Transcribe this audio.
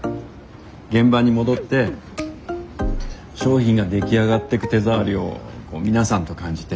現場に戻って商品が出来上がっていく手触りをこう皆さんと感じて。